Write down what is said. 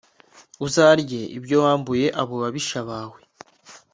uzarye ibyo wambuye abo babisha bawe,